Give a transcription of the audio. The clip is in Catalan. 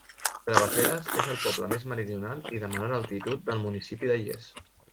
Travesseres és el poble més meridional i de menor altitud del municipi de Lles.